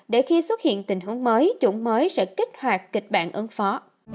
để khi xuất hiện tình huống mới chủng mới sẽ kích hoạt kịch bản ứng phó